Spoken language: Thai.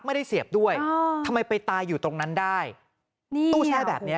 ไม่ได้เสียบด้วยทำไมไปตายอยู่ตรงนั้นได้นี่ตู้แช่แบบเนี้ย